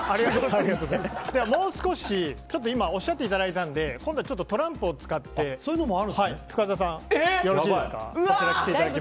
では、今はおっしゃっていただいたので今度はトランプを使って深澤さん、よろしいですか？